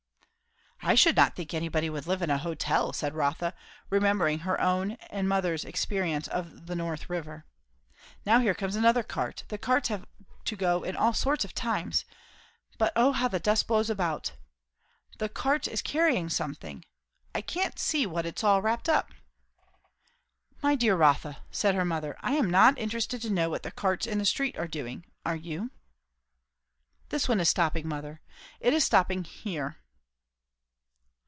"I should not think anybody would live in a hotel," said Rotha, remembering her own and her mother's experience of the "North River." "Now here comes another cart the carts have to go in all sorts of times; but O how the dust blows about! This cart is carrying something I can't see what it's all wrapped up." "My dear Rotha," said her mother, "I am not interested to know what the carts in the street are doing. Are you?" "This one is stopping, mother. It is stopping _here!